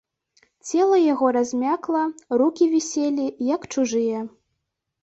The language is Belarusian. Цела яго размякла, рукі віселі, як чужыя.